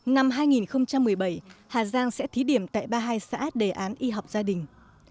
năm hai nghìn một mươi bảy hà giang sẽ thí điểm tại ba mươi hai xã đề án y học gia đình